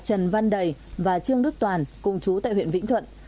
trần văn đầy và trương đức toàn cùng chú tại huyện vĩnh thuận